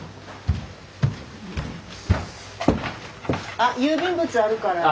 あっ郵便物あるからね。